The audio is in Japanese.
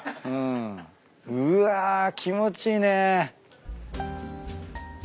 うわ気持ちいいね。